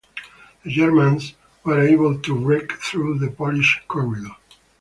The Germans were able to break through the Polish Corridor.